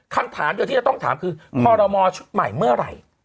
คำถามเดียวที่จะต้องถามคือคอรมอชุดใหม่เมื่อไหร่